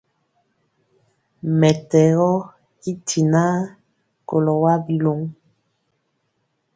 Mɛtɛgɔ i tinaa kolɔ wa biluŋ.